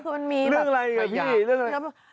คือมันมีแบบขยะเรื่องอะไรอ่ะพี่